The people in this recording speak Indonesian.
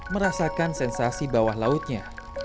merasakan sensasi bawah lautnya